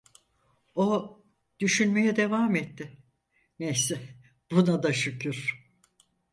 O düşünmeye devam etti: "Neyse, buna da şükür…"